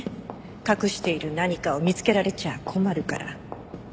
隠している何かを見つけられちゃ困るから。